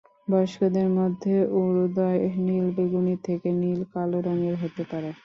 বয়স্কদের মধ্যে উরুদ্বয় নীল/বেগুনি থেকে নীল/কালো রঙের হতে পারে।